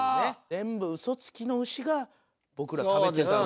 全部ウソつきの牛が僕ら食べてた。